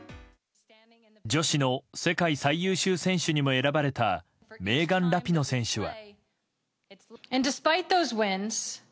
女子の世界最優秀選手にも選ばれたメーガン・ラピノ選手は。